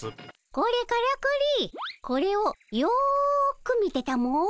これからくりこれをよく見てたも。